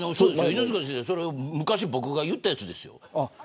犬塚先生、それ昔僕が言ったやつですよ。